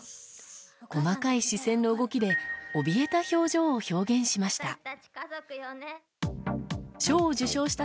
細かい視線の動きで怯えた表情を表現しました。